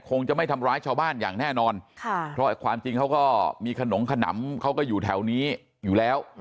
คงจะไม่ทำร้ายชาวบ้านอย่างแน่นอนค่ะเพราะความจริงเขาก็มีขนมขนำเขาก็อยู่แถวนี้อยู่แล้ว